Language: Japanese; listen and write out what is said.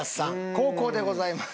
後攻でございます。